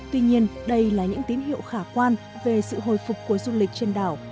tuy nhiên đây là những tín hiệu khả quan về sự hồi phục của du lịch trên đảo